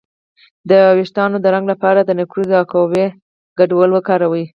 د ویښتو د رنګ لپاره د نکریزو او قهوې ګډول وکاروئ